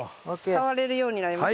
触れるようになりました。